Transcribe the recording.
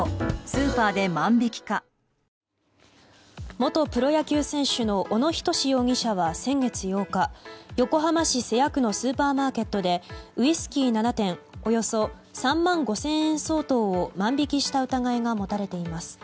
元プロ野球選手の小野仁容疑者は先月８日横浜市瀬谷区のスーパーマーケットでウイスキー７点およそ３万５０００円相当を万引きした疑いが持たれています。